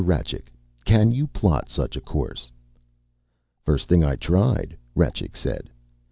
Rajcik, can you plot such a course?" "First thing I tried," Rajcik said.